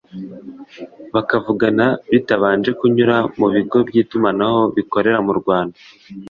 bakavugana bitabanje kunyura mu bigo by’itumanaho bikorera mu Rwanda